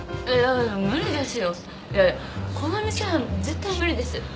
いやいやこの店は絶対無理です。